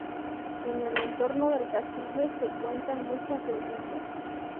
En el entorno del castillo se cuentan muchas leyendas.